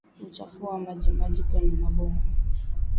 Uchafu wa majimaji kwenye maboma